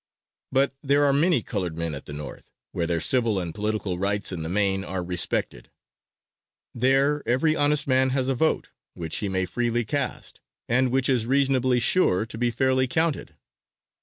But there are many colored men at the North, where their civil and political rights in the main are respected. There every honest man has a vote, which he may freely cast, and which is reasonably sure to be fairly counted.